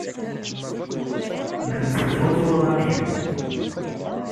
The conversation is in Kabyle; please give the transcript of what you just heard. Netta swaswa am kemm.